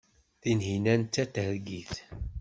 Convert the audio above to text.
Tinhinan d tatergit.